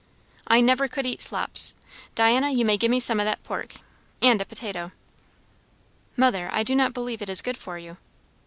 "I never could eat slops. Diana, you may give me some o' that pork. And a potato." "Mother, I do not believe it is good for you."